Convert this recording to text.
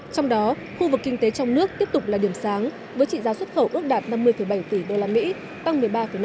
trong đó khu vực kinh tế trong nước tiếp tục là điểm sáng với trị giá xuất khẩu ước đạt năm mươi bảy tỷ usd tăng một mươi ba năm